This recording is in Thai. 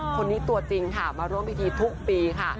ตัวจริงค่ะมาร่วมพิธีทุกปีค่ะ